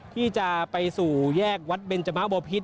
ที่จะไปสู่แยกวัดเบนจมะบอพิษ